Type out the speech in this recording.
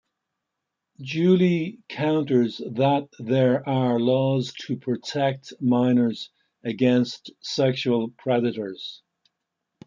Julie counters that there are laws to protect minors against sexual predators.